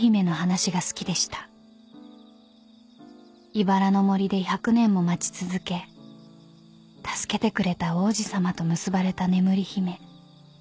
［イバラの森で１００年も待ち続け助けてくれた王子さまと結ばれた眠り姫］